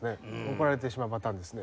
怒られてしまうパターンですね。